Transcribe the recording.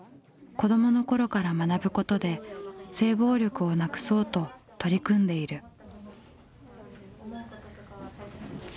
子どもの頃から学ぶことで性暴力をなくそうと取り組んでいる。